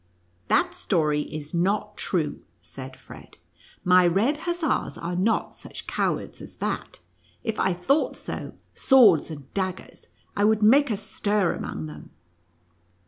1 '" That story is not true," said Fred. " My red hussars are not such cowards as that. If I thought so — swords and daggers !— I would make a stir among them